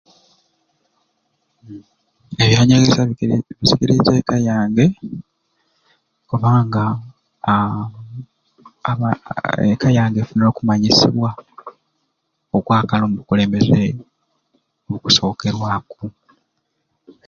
Ebyanyegesya bisikirize ekka yange kubanga aba aahh ekka yange efunire okumanyisibwa okwakala omubukulembeze obukusokerwaku.